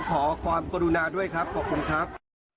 ขอความกรุณาด้วยครับขอบคุณครับ